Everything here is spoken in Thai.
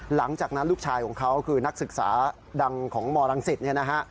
หลังจากนั้นลูกชายของเขาคือนักศึกษาดังของมรังสิตเนี่ยนะฮะ